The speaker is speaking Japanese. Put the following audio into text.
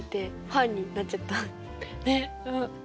ねっ！